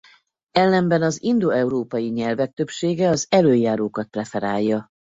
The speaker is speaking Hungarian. Ellenben az indoeurópai nyelvek többsége az elöljárókat preferálja.